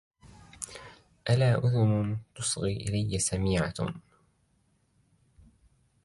ألا أذن تصغي إلي سميعة